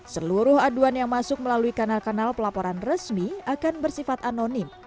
seluruh aduan yang masuk melalui kanal kanal pelaporan resmi akan bersifat anonim